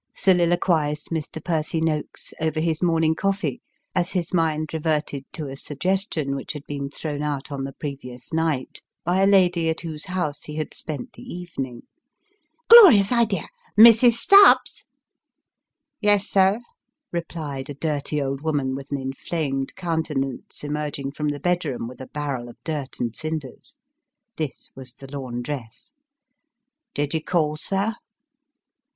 " soliloquised Mr. Percy Noakes, over his morning's coffee, as his mind reverted to a suggestion which had been thrown out on the previous night, by a lady at whose house he had spent the evening. " Glorious idea ! Mrs. Stubbs." " Yes, sir," replied a dirty old woman with an inflamed countenance, emerging from the bedroom, with a barrel of dirt and cinders. This was the laundress. " Did you call, sir